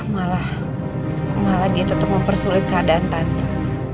malah dia tetap mempersulit keadaan tante